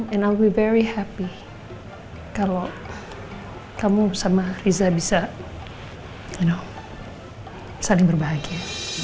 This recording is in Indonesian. and i'll be very happy kalau kamu sama riza bisa you know saling berbahagia